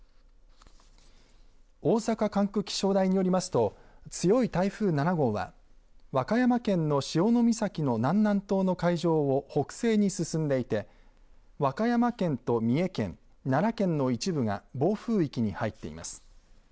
大阪管区気象台によりますと強い台風７号は和歌山県の潮岬の南南東の海上を北西に進んでいて和歌山県と三重県奈良県の一部が暴風域に入っています。